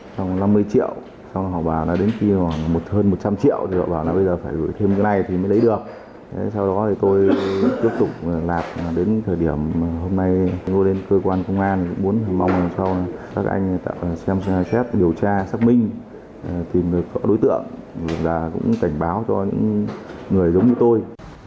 và cũng cảnh báo cho những người giống như tôi